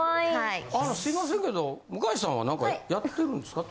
あのすいませんけど向井地さんは何かやってるんですか？